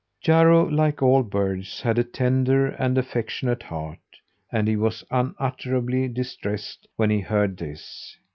Jarro, like all birds, had a tender and affectionate heart; and he was unutterably distressed when he heard this.